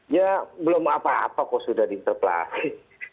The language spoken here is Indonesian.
ya belum apa apa kok sudah diinterpelasi